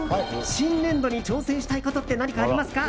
新年度に挑戦したいことって何かありますか？